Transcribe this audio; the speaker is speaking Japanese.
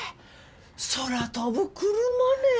空飛ぶクルマね。